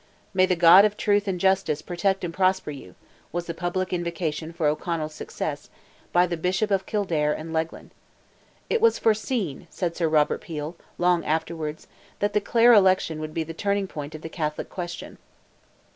"May the God of truth and justice protect and prosper you," was the public invocation for O'Connell's success, by the bishop of Kildare and Leighlin. "It was foreseen," said Sir Robert Peel, long afterwards, "that the Clare election would be the turning point of the Catholic question."